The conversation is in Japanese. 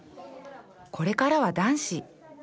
これからは男子